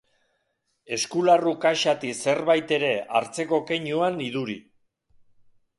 Eskularru-kaxatik zerbait ere hartzeko keinuan iduri.